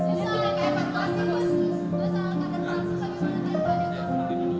soal yang akan terpaksa bagi mana kita dipanggil